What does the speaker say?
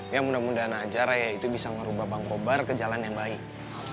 ya mudah mudahan aja raya itu bisa merubah bang kobar ke jalan yang baik